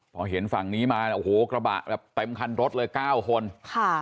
พอเห็นฝั่งนี้มาโอ้โหกระบะแบบเต็มคันรถเลยเก้าคนค่ะ